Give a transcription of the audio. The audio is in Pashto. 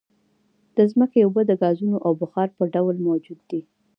د ځمکې اوبه د ګازونو او بخار په ډول موجود دي